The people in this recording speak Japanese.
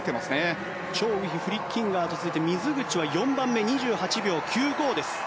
チョウ・ウヒフリッキンガーと続いて水口は４番目２８秒９５です。